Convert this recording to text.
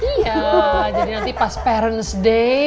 iya jadi nanti pas parents day